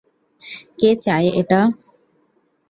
কে চায় এটা?